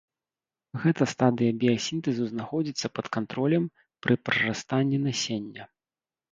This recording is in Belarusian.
Гэта стадыя біясінтэзу знаходзіцца пад кантролем пры прарастанні насення.